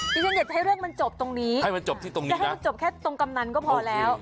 นี่ฉันก็ไปให้เรื่องมันจบตรงนี้หรือแค่กำนันก็พอแล้ว